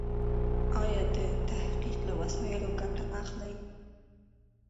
ايا ته د تحقيق له وسایلو ګټه اخلې؟